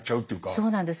そうなんです。